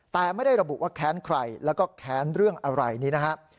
แต่ไม่ได้ระบุว่าแค้นใครแล้วก็แค้นเรื่องอะไรนี้นะครับ